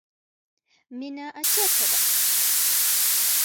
مینه چیرته ده؟